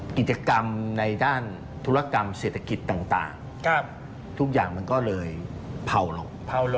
กิจกรรมในด้านธุรกรรมเศรษฐกิจต่างทุกอย่างมันก็เลยเผาลง